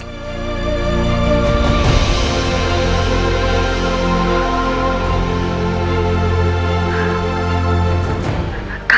di kota manila